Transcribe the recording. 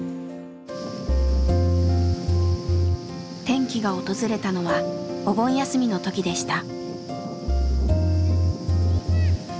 転機が訪れたのはお盆休みの時でした。